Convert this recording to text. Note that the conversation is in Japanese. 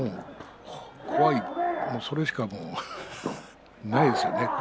怖いそれしかないですよね。